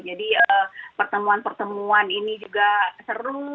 jadi pertemuan pertemuan ini juga seru